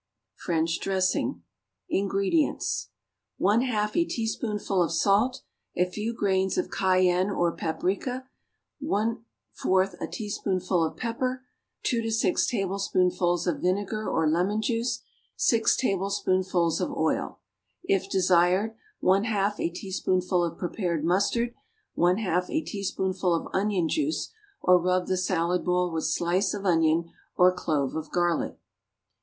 =French Dressing.= INGREDIENTS. 1/2 a teaspoonful of salt. A few grains of cayenne or paprica. 1/4 a teaspoonful of pepper. 2 to 6 tablespoonfuls of vinegar or lemon juice. 6 tablespoonfuls of oil. If desired, 1/2 a teaspoonful of prepared mustard. 1/2 a teaspoonful of onion juice, or rub the salad bowl with slice of onion, or clove of garlic.